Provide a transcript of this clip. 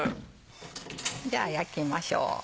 じゃあ焼きましょう。